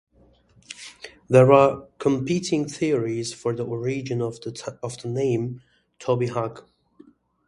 There are competing theories for the origin of the name "Toby Jug".